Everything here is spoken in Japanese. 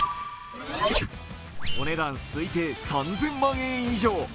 お値段推定３０００万円以上。